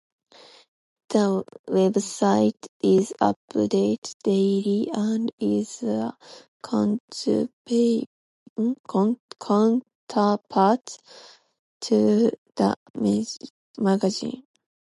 The website is updated daily and is a counterpart to the magazine.